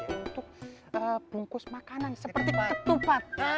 untuk bungkus makanan seperti ketupat